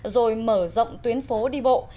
rồi mở rộng tuyến phố đi bộ